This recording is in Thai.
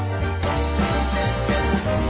เดี๋ยวเจอกัน